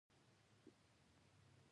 دپڼو ږغ یې پاڅوي زلمي د کهف دخوبه